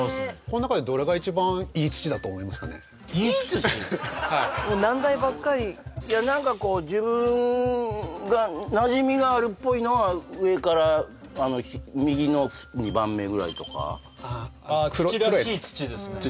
この中でどれが一番いい土だと思いますかね難題ばっかり何かこう自分がなじみがあるっぽいのは上から右の２番目ぐらいとか土らしい土ですね